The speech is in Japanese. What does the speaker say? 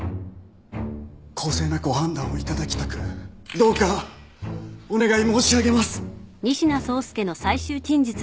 公正なご判断をいただきたくどうかお願い申し上げます。